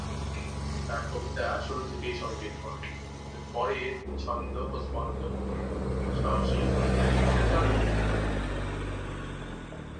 তার কবিতা শুরু থেকেই সঙ্গীতময়, কিন্তু পরে তিনি ছন্দ ও স্পন্দন নিয়েও সাহসী পরীক্ষা-নিরীক্ষা চালান।